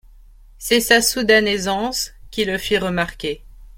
C'est sa soudaine aisance qui le fit remarquer.